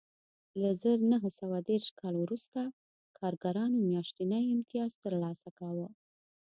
له زر نه سوه دېرش کال وروسته کارګرانو میاشتنی امتیاز ترلاسه کاوه